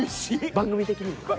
番組的にもね。